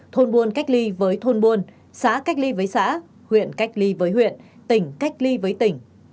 thôn buôn cách ly với thôn buôn xã cách ly với xã huyện cách ly với huyện tỉnh cách ly với tỉnh